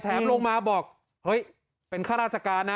แถมลงมาบอกเป็นข้าราชการนะ